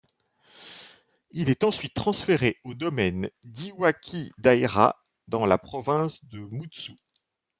Il est ensuite transféré au domaine d'Iwakidaira dans la province de Mutsu.